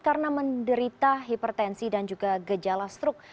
karena menderita hipertensi dan juga gejala struk